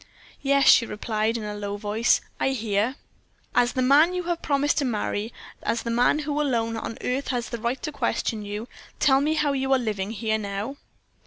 "Yes," she replied, in a low voice, "I hear." "As the man you have promised to marry, as the man who alone on earth has the right to question you, tell me how you are living here now?"